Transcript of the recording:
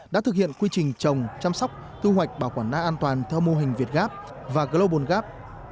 đã thực hiện quy trình trồng chăm sóc thu hoạch bảo quản na an toàn theo mô hình việt gap và global gap